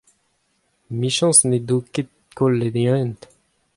Emichañs n'en do ket kollet e hent !